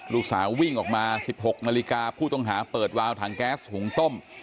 ลูกสาววิ่งออกมา๑๖นาฬิกาผู้ต้องหาเปิดวาวถังแก๊สหุงต้ม